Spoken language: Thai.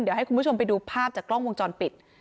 เดี๋ยวให้คุณผู้ชมไปดูภาพจากกล้องวงจรปิด